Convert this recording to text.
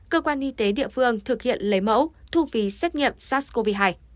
cơ quan y tế địa phương thực hiện lấy mẫu thu phí xét nghiệm sars cov hai